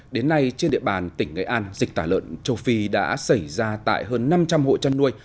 đến nay trên địa bàn tỉnh nghệ an dịch tả lợn châu phi đã xảy ra tại hơn năm trăm linh hộ chăn nuôi